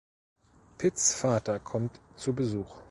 Pitts Vater kommt zu Besuch.